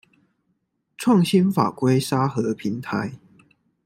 創新法規沙盒平台